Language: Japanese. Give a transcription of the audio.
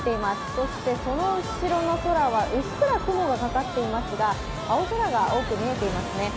そして、その後ろの空はうっすら雲がかかっていますが、青空が多く見えていますね。